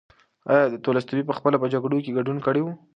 ایا تولستوی پخپله په جګړو کې ګډون کړی و؟